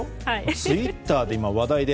ツイッターで今、話題で。